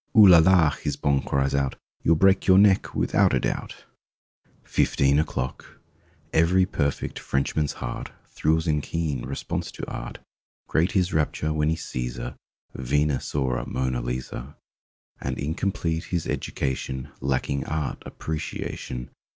''Oo la la!" His bonne cries out— "You'll break your neck without a doubt!" 33 . I A FOURTEEN O'CLOCK 35 FIFTEEN O'CLOCK E very perfect Frenchman's heart Thrills in keen response to Art. Great his rapture when he sees a Venus or a Mona Lisa; And incomplete his education Lacking Art Appreciation.